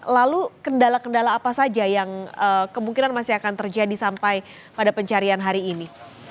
lalu kendala kendala apa saja yang kemungkinan masih akan terjadi sampai pada pencarian hari ini